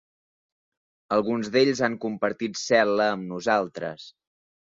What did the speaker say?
Alguns d’ells han compartit cel·la amb nosaltres.